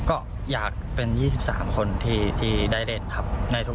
ก็อยากเป็นยี่สิบสามคนที่ที่ได้เล่นครับในตรุง